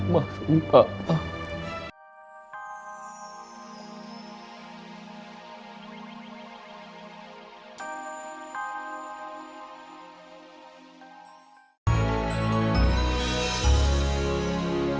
masih tak tahu